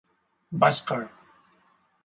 Bhaskar.